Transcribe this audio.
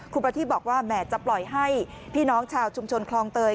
คุณประทีบบอกว่าแหมจะปล่อยให้พี่น้องชาวชุมชนคลองเตย